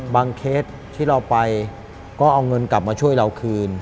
เคสที่เราไปก็เอาเงินกลับมาช่วยเราคืน